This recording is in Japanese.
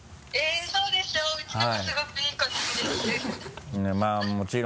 そうでしょう？